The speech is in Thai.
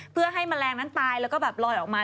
เพื่อให้แมลงนั้นตายแล้วก็แบบลอยออกมา